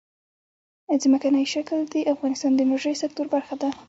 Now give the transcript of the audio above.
ځمکنی شکل د افغانستان د انرژۍ سکتور برخه ده.